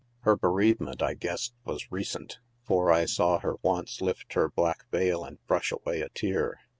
Ber be reavement, I guessed was recent, for 1 saw her once lift her black veil and brush away a tear.